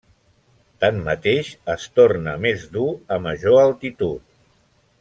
Tanmateix, es torna més dur a major altitud.